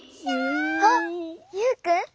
あっユウくん？